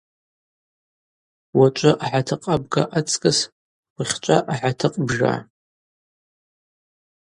Уачӏвы ахӏатыкъ абга ацкӏыс уахьчӏва ахӏатыкъ бжа.